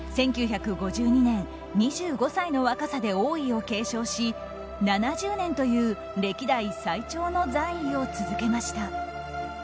１９５２年２５歳の若さで王位を継承し７０年という歴代最長の在位を続けました。